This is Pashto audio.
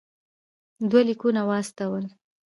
دوه لیکونه واستول.